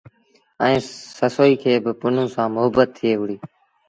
ائيٚݩ سسئيٚ کي با پنهون سآݩ مهبت ٿئي وُهڙي۔